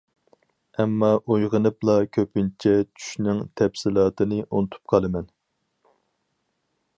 ئەمما ئويغىنىپلا كۆپىنچە چۈشنىڭ تەپسىلاتىنى ئۇنتۇپ قالىمەن.